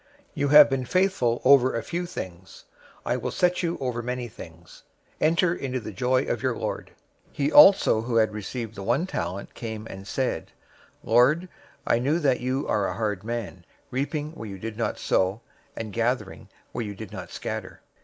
You have been faithful over a few things, I will set you over many things. Enter into the joy of your lord.' 025:024 "He also who had received the one talent came and said, 'Lord, I knew you that you are a hard man, reaping where you did not sow, and gathering where you did not scatter.